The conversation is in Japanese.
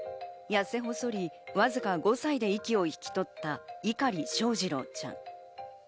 やせ細り、わずか５歳で息を引き取った碇翔士郎ちゃん。